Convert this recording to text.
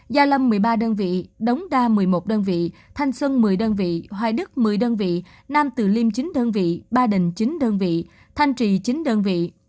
gia lâm một mươi ba đơn vị đống đa một mươi một đơn vị thanh xuân một mươi đơn vị hoài đức một mươi đơn vị nam từ liêm chính đơn vị ba đình chín đơn vị thanh trì chín đơn vị